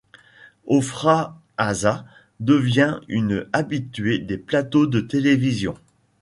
Ofra Haza devient une habituée des plateaux de télévision.